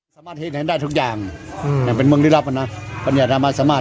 สมาเทศเห็นได้ทุกอย่างหือเป็นเรียกรับอะนะตอนนี้อ่ามาสมาท